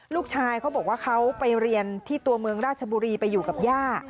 เขาบอกว่าเขาไปเรียนที่ตัวเมืองราชบุรีไปอยู่กับย่า